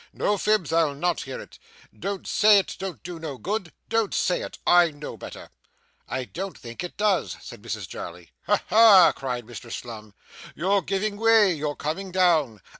'No fibs. I'll not hear it. Don't say it don't do good. Don't say it. I know better!' 'I don't think it does,' said Mrs Jarley. 'Ha, ha!' cried Mr Slum, 'you're giving way, you're coming down.